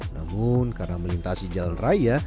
namun karena melintasi jalan raya